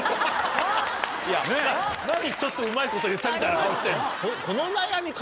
何ちょっとうまいこと言ったみたいな顔してんの？